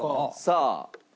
さあ。